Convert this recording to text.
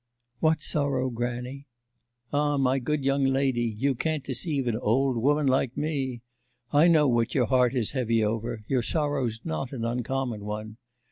'What sorrow, grannie?' 'Ah, my good young lady, you can't deceive an old woman like me. I know what your heart is heavy over; your sorrow's not an uncommon one.